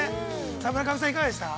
さあ村上さん、いかがでした？